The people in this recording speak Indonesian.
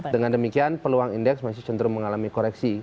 dengan demikian peluang indeks masih cenderung mengalami koreksi